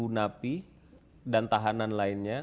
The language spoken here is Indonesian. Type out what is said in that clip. dua ratus dua napi dan tahanan lainnya